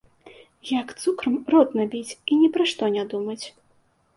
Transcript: Як цукрам рот набіць і ні пра што не думаць.